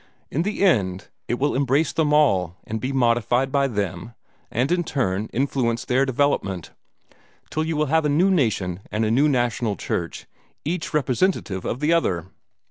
In the end, it will embrace them all, and be modified by them, and in turn influence their development, till you will have a new nation and a new national church, each representative of the other."